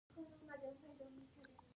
ګاز د افغانانو د ژوند طرز اغېزمنوي.